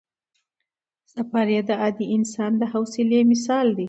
سفر یې د عادي انسان د حوصلې مثال دی.